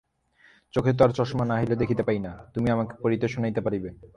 চোখে তো আর চশমা নহিলে দেখিতে পাই না, তুমি আমাকে পড়িয়া শোনাইতে পারিবে।